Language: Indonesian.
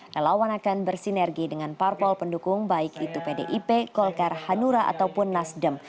relawan akan bersinergi dengan parpol pendukung baik itu pdip golkar hanura ataupun nasdem